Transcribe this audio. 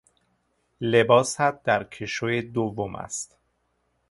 لباست در کشوی دوم است